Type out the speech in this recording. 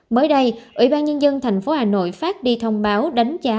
mới đây ủy ban nhân dân thành phố hà nội phát đi thông báo đánh giá